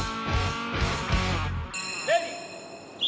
レディー！